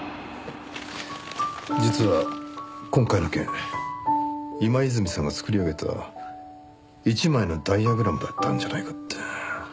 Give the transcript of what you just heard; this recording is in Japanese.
実は今回の件今泉さんが作り上げた一枚のダイヤグラムだったんじゃないかって。